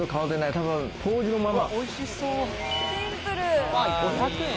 多分、当時のまま。